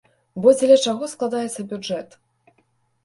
Бо дзеля чаго складаецца бюджэт?